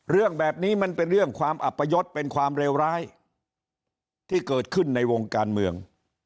เรื่องแบบนี้มันเป็นเรื่องความอัปยศเป็นความเลวร้ายที่เกิดขึ้นในวงการเมือง